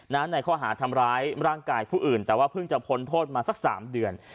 ในข้อหาทำร้ายร่างกายผู้อื่นแต่ว่าเพิ่งจะพ้นโทษมาสัก๓เดือน